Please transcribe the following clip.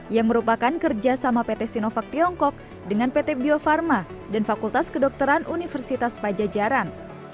yang merupakan kerjasama pt sinovac tiongkok dengan pt bio farma dan fakultas kedokteran universitas pajajaran